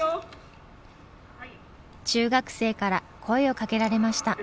中学生から声をかけられました。